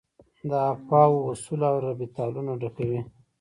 د افباؤ اصول اوربیتالونه ډکوي.